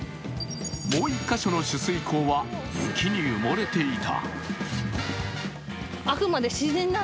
もう１か所の取水口は雪に埋もれていた。